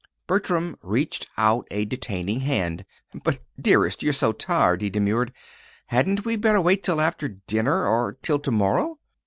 Bertram reached out a detaining hand. "But, dearest, you're so tired," he demurred. "Hadn't we better wait till after dinner, or till to morrow?"